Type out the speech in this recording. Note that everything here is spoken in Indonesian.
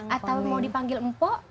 atau mau dipanggil empok